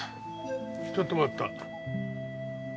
ちょっと待った。